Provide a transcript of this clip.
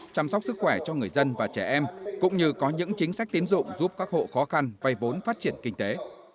chăm sóc sức khỏe cho người dân và trẻ em cũng như có những chính sách tiến dụng giúp các hộ khó khăn vay vốn phát triển kinh tế